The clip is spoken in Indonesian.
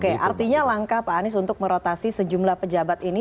oke artinya langkah pak anies untuk merotasi sejumlah pejabat ini